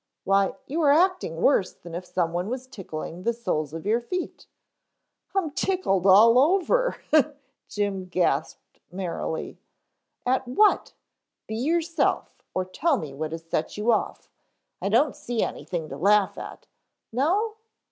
Why, you are acting worse than if some one was tickling the soles of your feet " "I'm tickled all over," Jim gasped merrily. "At what be yourself or tell me what has set you off I don't see anything to laugh at " "No?"